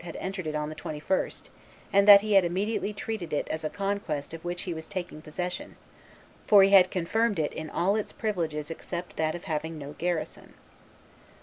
had entered it on the 21st, and that he had immediately treated it as a conquest of which he was taking possession, for he had confirmed it in all its privileges except that of having no garrison.